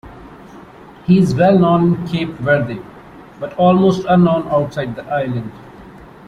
He is well known in Cape Verde, but almost unknown outside the island.